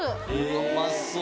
うまそう。